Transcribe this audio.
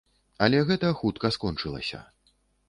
Але гэта хутка скончылася.